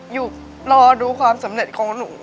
อยู่รอดูความสำเร็จของหนู